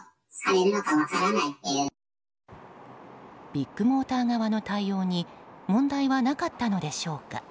ビッグモーター側の対応に問題はなかったのでしょうか。